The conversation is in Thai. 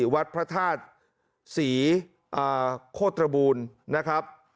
วัดพระธาตุศรีโคตรบูลนะครับ